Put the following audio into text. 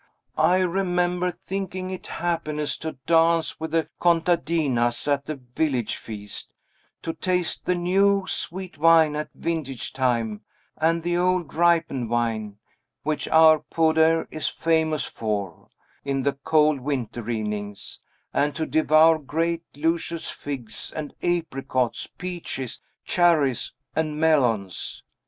"I remember thinking it happiness to dance with the contadinas at a village feast; to taste the new, sweet wine at vintage time, and the old, ripened wine, which our podere is famous for, in the cold winter evenings; and to devour great, luscious figs, and apricots, peaches, cherries, and melons.